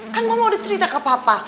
kan mama udah cerita ke papa